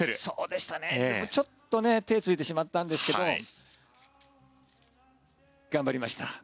でも、ちょっと手をついてしまったんですけど頑張りました。